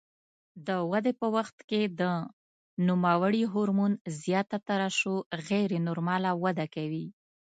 د ودې په وخت کې د نوموړي هورمون زیاته ترشح غیر نورماله وده کوي.